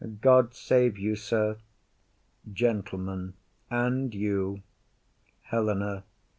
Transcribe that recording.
God save you, sir. GENTLEMAN. And you. HELENA.